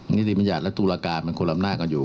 นิติบัญญาณและตุลการคุณอำนาจกันอยู่